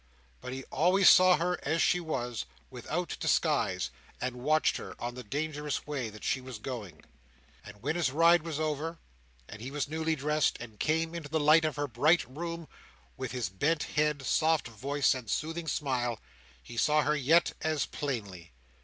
But he always saw her as she was, without disguise, and watched her on the dangerous way that she was going. And when his ride was over, and he was newly dressed, and came into the light of her bright room with his bent head, soft voice, and soothing smile, he saw her yet as plainly.